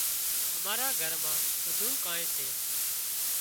امارا گھر مان ٻڌونئي ڪانئن سي